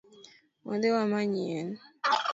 Wadhi wamany yien